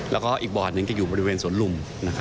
แล้วก็อีกบอร์ดหนึ่งจะอยู่บริเวณสวนลุม